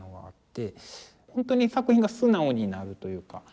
本当に作品が素直になるというか。